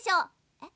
えっ？